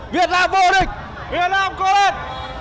việt nam vô địch việt nam cố lên